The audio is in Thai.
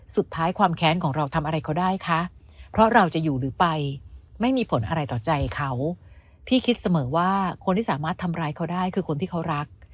สุดท้ายเขาได้คือคนที่เขารัก